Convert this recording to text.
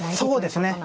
そうですね。